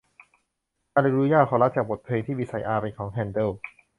ฮาลเลลูยาคอรัสจากบทเพลงมีไซอาห์ของแฮนเดิล